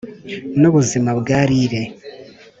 nubuzima bwa lyre,